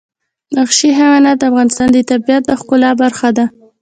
وحشي حیوانات د افغانستان د طبیعت د ښکلا برخه ده.